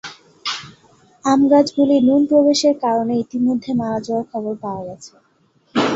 আম গাছগুলি নুন প্রবেশের কারণে ইতোমধ্যে মারা যাওয়ার খবর পাওয়া গেছে।